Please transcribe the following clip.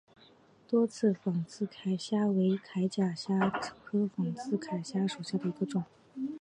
多刺仿刺铠虾为铠甲虾科仿刺铠虾属下的一个种。